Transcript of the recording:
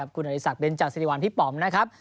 คุณอลิสักเบนจักรศิริวรรณพี่ปอ๋อมนะครับ